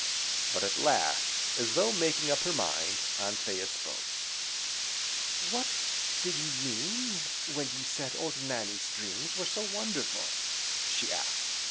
But at last, as though making up her mind, Anthea spoke: "What did you mean when you said Old Nannie's dreams were so wonderful?" she asked.